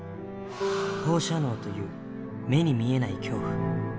放射能という目に見えない恐怖。